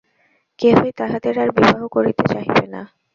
কেহই তাহাদের আর বিবাহ করিতে চাহিবে না।